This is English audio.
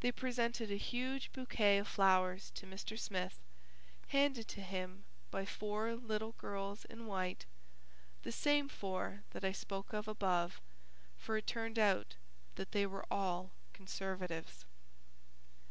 They presented a huge bouquet of flowers to Mr. Smith, handed to him by four little girls in white, the same four that I spoke of above, for it turned out that they were all Conservatives.